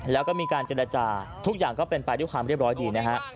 แล้วก็มีการเจรจาทุกอย่างก็เป็นไปด้วยความเรียบร้อยดีนะฮะ